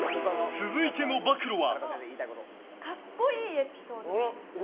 続いての暴露は。